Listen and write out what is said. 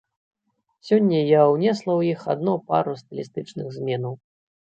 Сёння я ўнесла ў іх адно пару стылістычных зменаў.